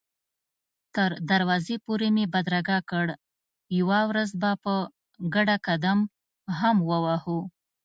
تر دروازې پورې مې بدرګه کړ، یوه ورځ به په ګډه قدم هم ووهو.